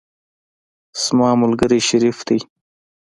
زما ملګری شریف دی.